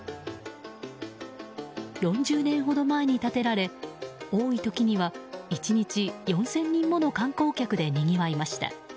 ４０年ほど前に建てられ多い時には１日４０００人もの観光客でにぎわいました。